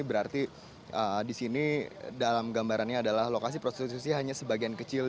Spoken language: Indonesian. berarti di sini dalam gambarannya adalah lokasi prostitusi hanya sebagian kecil